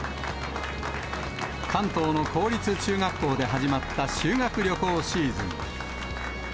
関東の公立中学校で始まった修学旅行シーズン。